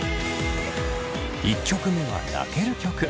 １曲目は泣ける曲。